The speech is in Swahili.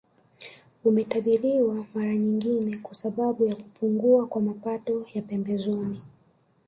Umetabiriwa mara nyingine kwa sababu ya kupungua kwa mapato ya pembezoni